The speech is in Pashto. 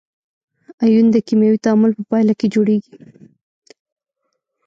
ایون د کیمیاوي تعامل په پایله کې جوړیږي.